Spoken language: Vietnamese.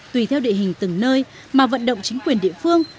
tùy theo địa hình từng nơi mà vận động chính quyền địa phương